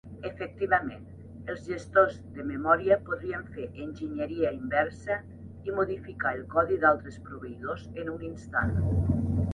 Efectivament, els gestors de memòria podrien fer enginyeria inversa i modificar el codi d"altres proveïdors en un instant.